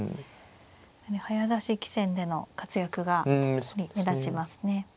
早指し棋戦での活躍が目立ちますね。